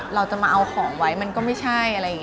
เราจะมาเอาของไว้มันก็ไม่ใช่